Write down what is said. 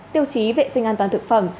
tiêu chí vệ sinh an toàn thực phẩm